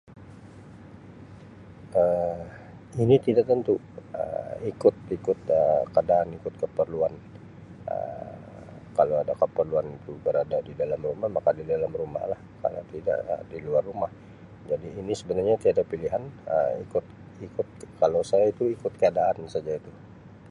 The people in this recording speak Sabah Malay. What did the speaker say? Um ini tidak tentu Um ikut ikut Um keadaan ikut keperluan Um kalau ada keperluan tu berada di dalam rumah makan di dalam rumah lah kalau tidak di luar rumah jadi ini sebenarnya tiada pilihan[Um] ikut ikut kalau saya tu ikut keadaan saja tu.